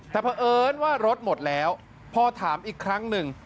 แต่เพราะเอิญว่ารถหมดแล้วพอถามอีกครั้งหนึ่ง